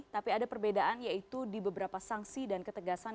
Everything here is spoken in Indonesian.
tapi ada perbedaan yaitu di beberapa sanksi dan ketegasan